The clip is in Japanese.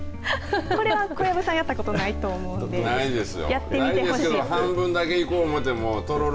これは小籔さんやったことないと思うのでちょっとないですよ。